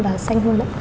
và xanh hơn